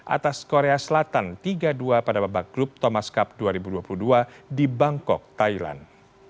atas korea selatan tiga dua pada babak grup thomas cup dua ribu dua puluh dua di bangkok thailand